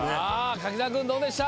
柿澤君どうでした？